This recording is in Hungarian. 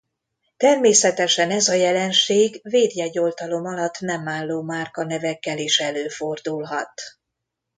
Természetesen ez a jelenség védjegyoltalom alatt nem álló márkanevekkel is előfordulhat.